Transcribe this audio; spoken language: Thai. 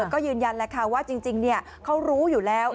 ก็ยืนยันแล้วค่ะว่าจริงเขารู้อยู่แล้ว